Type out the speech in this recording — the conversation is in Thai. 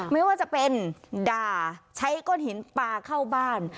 ไม่ว่าจะเป็นด่าใช้ก้อนหินปลาเข้าบ้าน